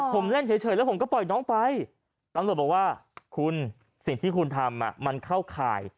ผมเล่นเฉยแล้วผมก็ปล่อยน้องไปอาศัตริย์บอกว่าคุณทีที่คุณทำมันเข้า